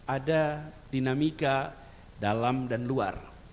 ada dinamika dalam dan luar